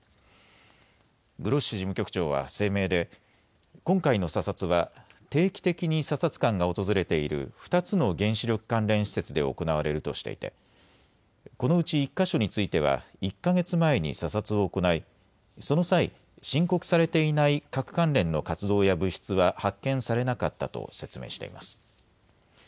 グロッシ事務局長は声明で今回の査察は定期的に査察官が訪れている２つの原子力関連施設で行われるとしていてこのうち１か所については１か月前に査察を行いその際、申告されていない核関連の活動や物質は発見されなかったと説明しています。